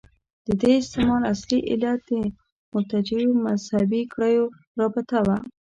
د دې استعمال اصلي علت د مرتجعو مذهبي کړیو رابطه وه.